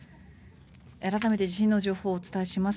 改めて地震の情報をお伝えします。